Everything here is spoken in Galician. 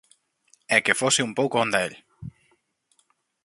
E que fose un pouco onda el.